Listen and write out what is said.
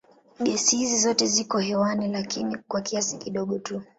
Gesi hizi zote ziko hewani lakini kwa kiasi kidogo tu.